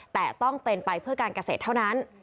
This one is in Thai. แต่ต้องเป็นไปเพื่อการเกษตรเท่านั้น